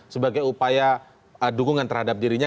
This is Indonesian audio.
sebagai upaya dukungan terhadap dirinya